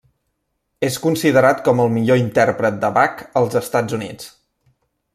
És considerat com el millor intèrpret de Bach als Estats Units.